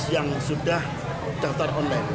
yang sudah daftar online